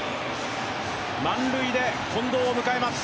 満塁で近藤を迎えます。